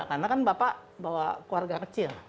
karena kan bapak bawa keluarga kecil